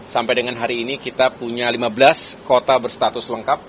sampai dengan hari ini kita punya lima belas kota berstatus lengkap